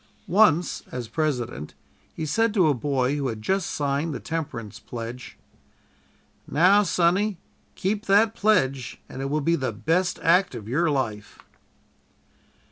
Once, as President, he said to a boy who had just signed the temperance pledge: "Now, Sonny, keep that pledge and it will be the best act of your life."